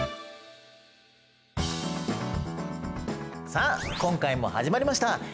さあ今回も始まりました。